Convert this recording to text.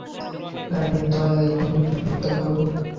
আমি দয়াহীনভাবে হত্যা করব!